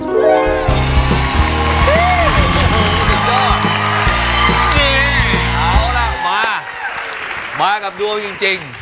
โอ้โหสุดยอดนี่เอาล่ะมามากับดวงจริง